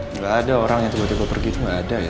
nggak ada orang yang tiba tiba pergi itu nggak ada ya